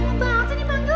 kamu bangat sih nih bang